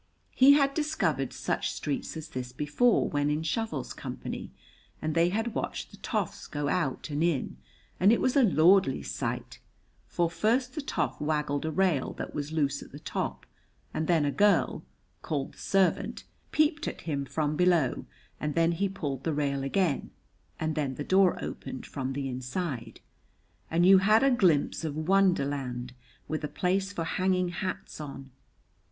He had discovered such streets as this before when in Shovel's company, and they had watched the toffs go out and in, and it was a lordly sight, for first the toff waggled a rail that was loose at the top and then a girl, called the servant, peeped at him from below, and then he pulled the rail again, and then the door opened from the inside, and you had a glimpse of wonder land with a place for hanging hats on.